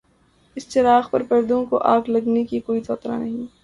اس چراغ سے پردوں کو آگ لگنے کا کوئی خطرہ نہیں۔